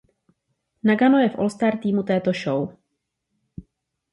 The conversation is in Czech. Nagano je v All stars teamu této show.